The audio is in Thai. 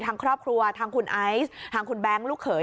ทางครอบครัวทางคุณไอซ์ทางคุณแบงค์ลูกเขย